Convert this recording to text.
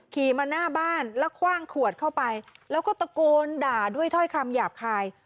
ขี่มาหน้าบ้านแล้วคว่างขวดเข้าไปแล้วก็ตะโกนด่าด้วยถ้อยคำหยาบคาย